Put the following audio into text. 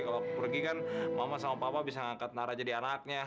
kalau pergi kan mama sama papa bisa ngangkat nara jadi anaknya